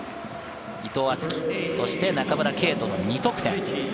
伊藤敦樹、中村敬斗の２得点。